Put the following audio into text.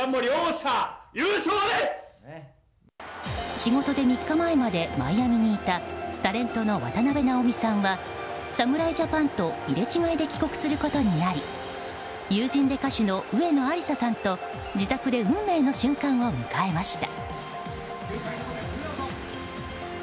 仕事で３日前までマイアミにいたタレントの渡辺直美さんは侍ジャパンと入れ違いで帰国することになり友人で歌手の植野有砂さんと自宅で運命の瞬間を迎えました。